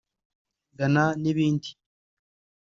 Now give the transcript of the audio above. Ghana n’ibindi